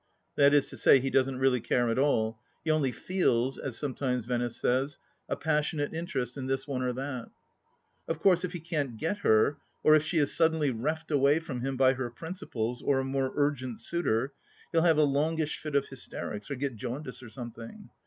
That is to say, he doesn't really care at all : he only feels, as sometimes Venice says, a passionate interest in this one or that . Of course if he can't get her, or if she is suddenly reft away from him by her principles or a more urgent suitor, he'll have a longish fit of hysterics or get jaundice or something.